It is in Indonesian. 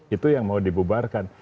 itu yang mau dibubarkan